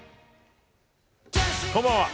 こんばんは。